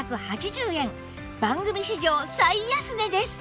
番組史上最安値です